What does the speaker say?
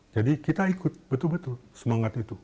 jadi kita ikut betul betul semangat itu